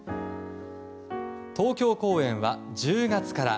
東京公演は１０月から。